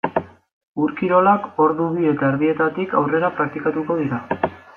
Ur-kirolak ordu bi eta erdietatik aurrera praktikatuko dira.